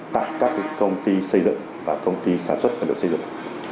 tại các công ty xây dựng và công ty sản xuất và được xây dựng